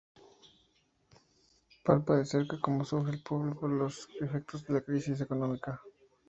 Palpa de cerca cómo sufre el pueblo por los efectos de la crisis económica.